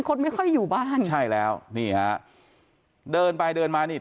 คนไม่ค่อยอยู่บ้านใช่แล้วนี่ฮะเดินไปเดินมานี่